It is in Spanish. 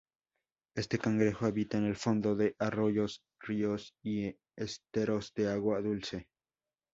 Este cangrejo habita en el fondo de arroyos, ríos y esteros de agua dulce.